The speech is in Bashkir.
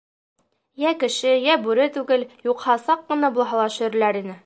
— Йә кеше, йә бүре түгел, юҡһа саҡ ҡына булһа ла шөрләр ине.